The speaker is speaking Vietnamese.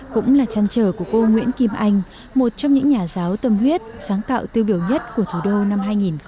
cũng là trăn trở của cô nguyễn kim anh một trong những nhà giáo tâm huyết sáng tạo tiêu biểu nhất của thủ đô năm hai nghìn một mươi tám